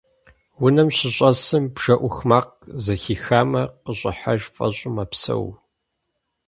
Унэм щыщӀэсым, бжэ Ӏух макъ зэхихамэ, къыщӀыхьэж фӀэщӀу мэпсэу.